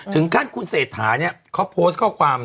ถึงขั้นคุณเศรษฐาเนี่ยเขาโพสต์ข้อความ